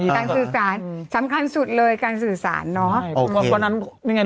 การสื่อสารสำคัญสุดเลยการสื่อสารเนอะโอเควันนั้นยังไง